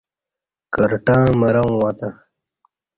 کرٹہ مرں اُݩگتا